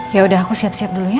ya udah aku siap siap dulu ya